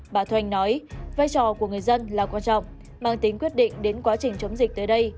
bà thoanh nói vai trò của người dân là quan trọng mang tính quyết định đến quá trình chống dịch tới đây